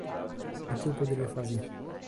O que eu poderia fazer?